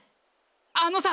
あのさ！